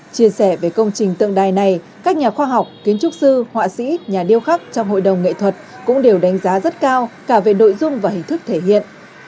chia sẻ về công trình tượng đài này các nhà khoa học kiến trúc sư họa sĩ nhà điêu khắc trong hội đồng nghệ thuật cũng đều đánh giá rất cao cả về nội dung và hình thức thể hiện